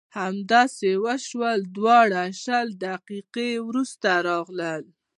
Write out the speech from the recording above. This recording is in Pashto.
همداسې وشول دواړه شل دقیقې وروسته راغلل.